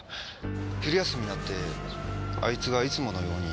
昼休みになってあいつがいつものように。